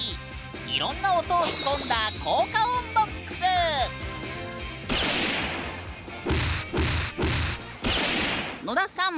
いろんな音を仕込んだ野田さん